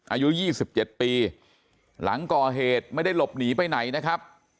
อายุ๒๗ปีหลังก่อเหตุไม่ได้หลบหนีไปไหนนะครับ